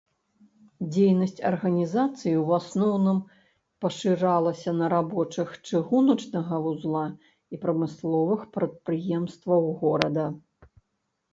Дзейнасць арганізацыі ў асноўным пашыралася на рабочых чыгуначнага вузла і прамысловых прадпрыемстваў горада.